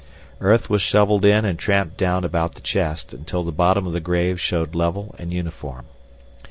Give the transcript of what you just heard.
Earth was shovelled in and tramped down about the chest until the bottom of the grave showed level and uniform.